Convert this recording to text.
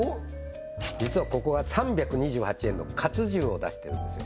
実はここは３２８円のかつ重を出してるんですよ